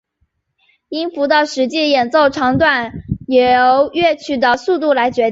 音符的实际演奏长短由乐曲的速度来决定。